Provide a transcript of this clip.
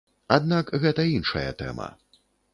Аднак, гэта іншая тэма.